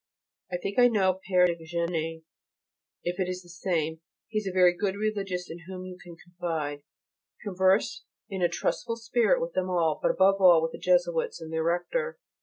I think I know Père de Géney, if it is the same; he is a very good Religious in whom you can confide. Converse in a trustful spirit with them all, but above all with the Jesuits and their Rector.